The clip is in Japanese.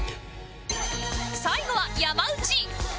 最後は山内